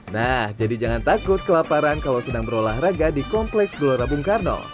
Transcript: nah jadi jangan takut kelaparan kalau sedang berolahraga di kompleks gelora bung karno